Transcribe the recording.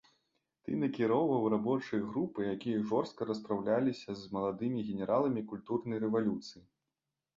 Ты накіроўваў рабочыя групы, якія жорстка распраўляліся з маладымі генераламі культурнай рэвалюцыі!